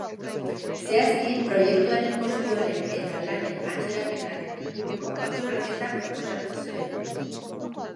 Zehazki, proiektuaren kostuaren eta lanen atzerapenaren inguruko hausnarketa proposatu zuen.